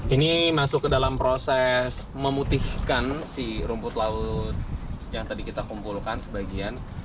ini masuk ke dalam proses memutihkan si rumput laut yang tadi kita kumpulkan sebagian